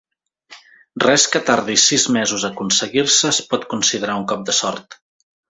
Res que tardi sis mesos a aconseguir-se es pot considerar un cop de sort.